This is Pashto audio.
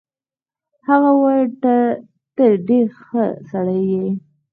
هغه وویل ته ډېر ښه سړی یې.